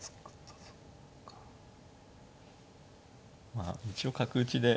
まあ一応角打ちで。